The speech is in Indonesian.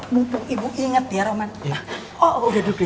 mumpung ibu ingat ya roman